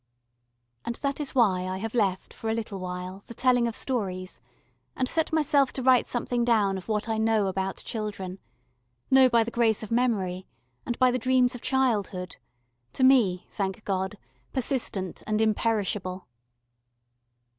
And that is why I have left for a little while the telling of stories and set myself to write down something of what I know about children know by the grace of memory and by the dreams of childhood, to me, thank God, persistent and imperishable.